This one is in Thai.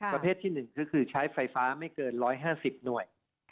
ประเภทที่๑ก็คือใช้ไฟฟ้าไม่เกิน๑๕๐หน่วย